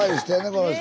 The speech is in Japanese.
この人。